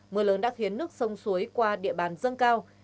mưa lớn đã khiến nước sông suối qua địa bàn dâng cao